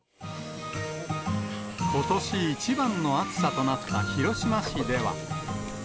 ことし一番の暑さとなった広島市では。